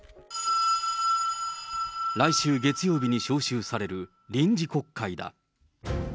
来週月曜日に召集される臨時国会だ。